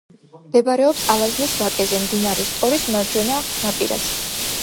მდებარეობს ალაზნის ვაკეზე, მდინარე სტორის მარჯვენა ნაპირას.